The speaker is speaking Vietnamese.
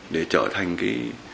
để trở thành cái